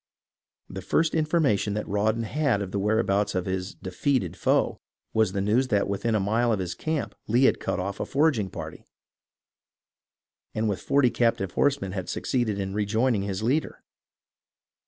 The first information that Raw don had of the whereabouts of his "defeated" foe was the news that within a mile of his camp Lee had cut off a foraging party and with forty captive horsemen had suc ceeded in rejoining his leader.